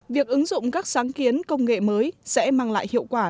việc ứng dụng các sáng kiến công nghệ mới sẽ mang lại hiệu quả